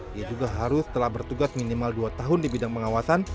dia juga harus telah bertugas minimal dua tahun di bidang pengawasan